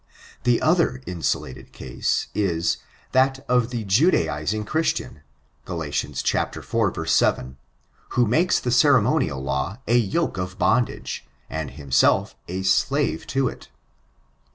The other insulated case i% that of the jiidaiging Christian, Gkil. iv. 7, who makes the ceremonial law % yoke of bondage, and himself a slave to it.